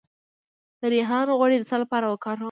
د ریحان غوړي د څه لپاره وکاروم؟